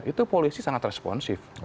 itu polisi sangat responsif